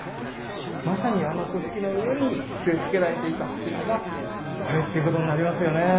まさにあの礎石の上に据え付けられていた柱がこれっていうことになりますよね。